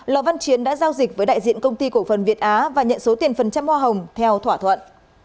lò văn chiến đã giao dịch với đại diện công ty cổ phần việt á và nhận số tiền phần trăm hoa hồng theo thỏa thuận